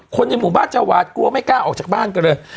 ในหมู่บ้านจะหวาดกลัวไม่กล้าออกจากบ้านกันเลย